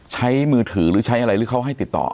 ใช้มือถือหรือใช้อะไรหรือเขาให้ติดต่อ